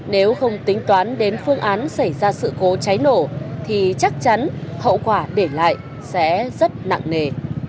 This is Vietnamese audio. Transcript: nếu không tính toán đến phương án xảy ra sự cố cháy nổ thì chắc chắn hậu quả để lại sẽ rất nặng nề